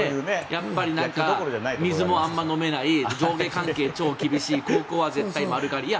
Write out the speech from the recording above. やっぱり水もあまり飲めない上下関係、超厳しい高校は絶対丸刈り。